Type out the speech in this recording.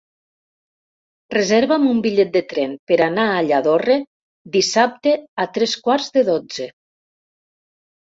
Reserva'm un bitllet de tren per anar a Lladorre dissabte a tres quarts de dotze.